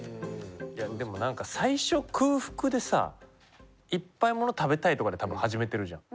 でもなんか最初空腹でさいっぱいもの食べたいとかで多分始めてるじゃん。